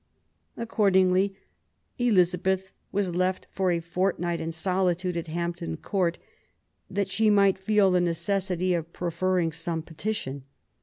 Accordingly Elizabeth was left for a fortnight in solitude at Hampton Court, that she might feel the necessity of preferring some petition.